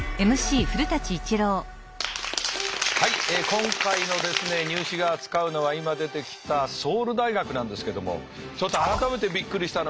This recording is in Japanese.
はい今回のですね「ニュー試」が扱うのは今出てきたソウル大学なんですけどもちょっと改めてびっくりしたのは。